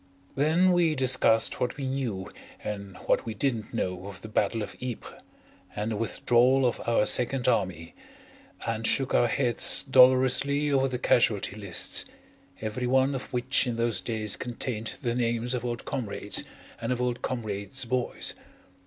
Then we discussed what we knew and what we didn't know of the Battle of Ypres, and the withdrawal of our Second Army, and shook our heads dolorously over the casualty lists, every one of which in those days contained the names of old comrades and of old comrades' boys.